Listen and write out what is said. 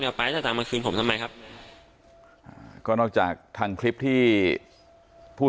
เอาไปจะตามมาคืนผมทำไมครับก็นอกจากทางคลิปที่ผู้